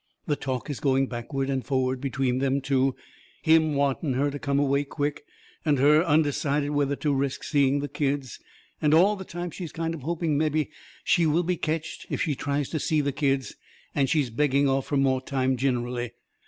The talk is going backward and forward between them two, him wanting her to come away quick, and her undecided whether to risk seeing the kids. And all the time she's kind o' hoping mebby she will be ketched if she tries to see the kids, and she's begging off fur more time ginerally.